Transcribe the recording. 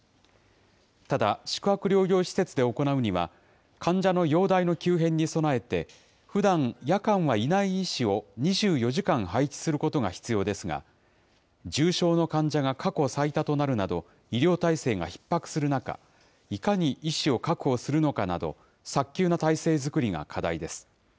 ただ、宿泊療養施設で行うには、患者の容体の急変に備えて、ふだん夜間はいない医師を２４時間配置することが必要ですが、重症の患者が過去最多となるなど、医療体制がひっ迫する中、いかに医師を確保するのかなど、早急な体制作りが課題です。